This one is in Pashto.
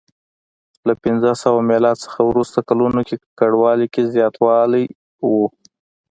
له پنځه سوه میلاد څخه وروسته کلونو کې ککړوالي کې زیاتوالی و